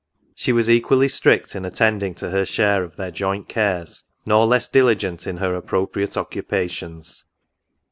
She was equally strict in attending to her share of their joint cares, nor less diligent in her appropriate occupations.